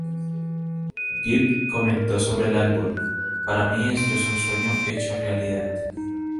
Gibb comentó sobre el álbum: "Para mí esto es un sueño hecho realidad.